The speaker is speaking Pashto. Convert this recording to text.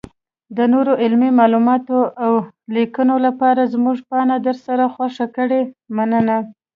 -دنورو علمي معلوماتو اولیکنو لپاره زمونږ پاڼه درسره خوښه کړئ مننه.